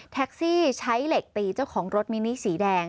แท็กซี่ใช้เหล็กตีเจ้าของรถมินิสีแดง